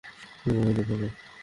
আমার মুখ তো কাপড় দিয়ে ঢাকা!